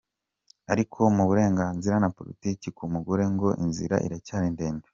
Ariko mu burenganzira na politiki ku mugore ngo inzira iracyari ndende.